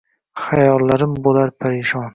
Xayollarim bo’lar parishon